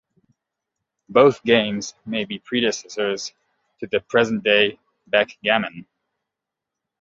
Both games may be predecessors to the present-day backgammon.